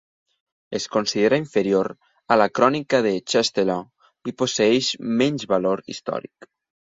Es considera inferior a la crònica de Chastellain i posseeix menys valor històric.